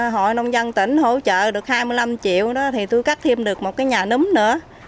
hội nông dân tỉnh hỗ trợ được hai mươi năm triệu đó thì tôi cắt thêm được một cái nhà nấm nữa